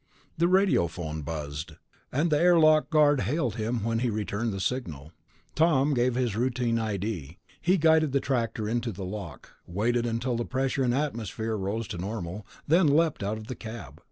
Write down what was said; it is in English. The radiophone buzzed, and the airlock guard hailed him when he returned the signal. Tom gave his routine ID. He guided the tractor into the lock, waited until pressure and atmosphere rose to normal, and then leaped out of the cab.